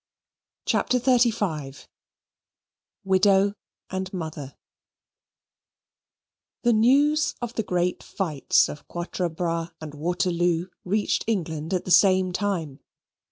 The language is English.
CHAPTER XXXV Widow and Mother The news of the great fights of Quatre Bras and Waterloo reached England at the same time.